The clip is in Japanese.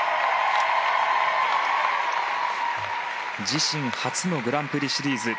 自身初のグランプリシリーズ。